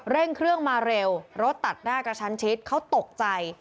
เร่งเครื่องมาเร็วรถตัดหน้ากระชั้นชิดเขาตกใจ